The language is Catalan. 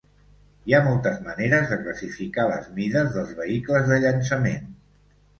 Hi ha moltes maneres de classificar les mides dels vehicles de llançament.